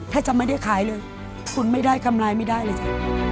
ถ้าจะไม่ได้ขายเลยคุณไม่ได้กำไรไม่ได้เลยจ้ะ